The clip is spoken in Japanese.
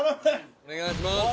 お願いします！